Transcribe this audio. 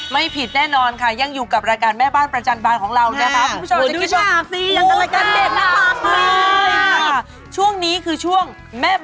ไม่ผิดแน่นอนค่ะยังอยู่กับราการแม่บ้านประจำบานของเรานะครับ